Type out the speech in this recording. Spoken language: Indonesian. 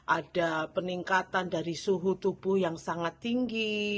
ada peningkatan dari suhu tubuh yang sangat tinggi